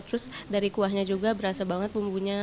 terus dari kuahnya juga berasa banget bumbunya